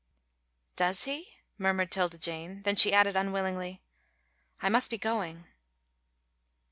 '" "Does he?" murmured 'Tilda Jane; then she added, unwillingly, "I must be going."